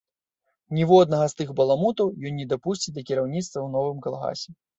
Ніводнага з тых баламутаў ён не дапусціць да кіраўніцтва ў новым калгасе.